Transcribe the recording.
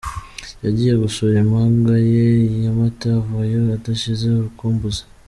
Yagiye gusura impanga ye i Nyamata avayo adashize urukumbuzi.